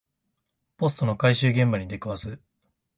ポストの回収現場に出くわす